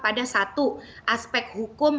pada satu aspek hukum